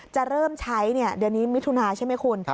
จะเริ่มใช้เดือนนี้มิถุนาใช่ไหมคุณ